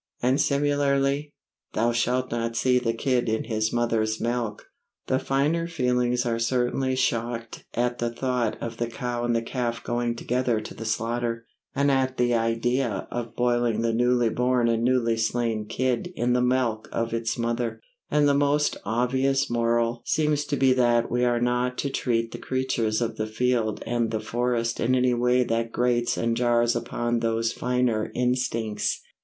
And similarly, 'Thou shalt not seethe a kid in his mother's milk.' The finer feelings are certainly shocked at the thought of the cow and the calf going together to the slaughter, and at the idea of boiling the newly born and newly slain kid in the milk of its mother; and the most obvious moral seems to be that we are not to treat the creatures of the field and the forest in any way that grates and jars upon those finer instincts.